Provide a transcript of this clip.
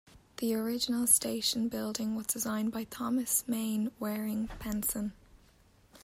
The original station building was designed by Thomas Mainwaring Penson.